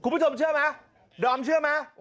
คุณผู้ชมเชื่อไหมดอมเชื่อไหม